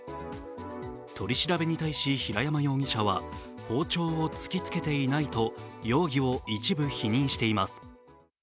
取り調べに対し、平山容疑者は包丁を突きつけていないと容疑を一部否認しています。